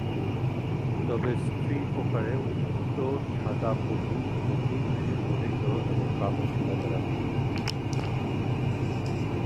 তবে স্ত্রী প্রকারে উক্ত সাদা পটি অধিক সুগঠিত এবং কালো শিরা দ্বারা বিভক্ত।